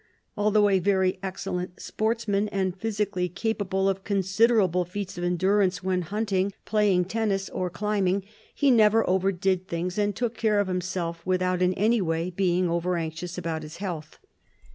Although a very excellent sportsman and physically capable of considerable feats of endurance when hunting, playing tennis or climbing, he never overdid things and took care of himself without in any way being overanxious about his health.